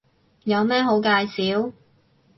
有咩好介紹